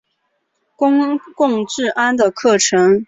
公共治安的课程。